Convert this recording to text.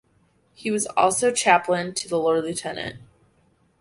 He was also chaplain to the lord lieutenant.